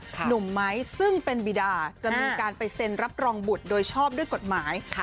หนุ่มไม้ซึ่งเป็นบิดาจะมีการไปเซ็นรับรองบุตรโดยชอบด้วยกฎหมาย